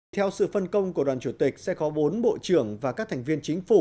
theo sự phân công của đoàn chủ tịch sẽ có bốn bộ trưởng và các thành viên chính phủ